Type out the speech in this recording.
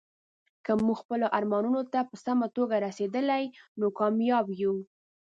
که موږ خپلو ارمانونو ته په سمه توګه رسیدلي، نو کامیاب یو.